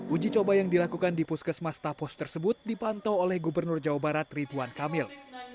uji coba yang dilakukan di puskesmas tapos tersebut dipantau oleh gubernur jawa barat rituan kamil